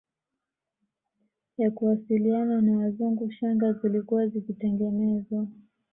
ya kuwasiliana na Wazungu shanga zilikuwa zikitengenezwa